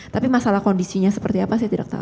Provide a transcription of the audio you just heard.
tapi masalah kondisinya seperti apa saya tidak tahu